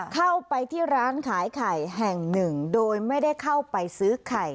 เข้าไปที่ร้านขายไข่แห่งหนึ่งโดยไม่ได้เข้าไปซื้อไข่